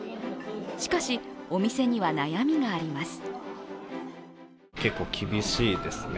しかし、お店には悩みがあります。